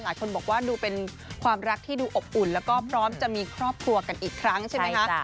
หลายคนบอกว่าดูเป็นความรักที่ดูอบอุ่นแล้วก็พร้อมจะมีครอบครัวกันอีกครั้งใช่ไหมคะ